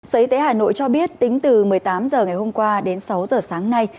sở y tế hà nội cho biết tính từ một mươi tám h ngày hôm qua đến sáu giờ sáng nay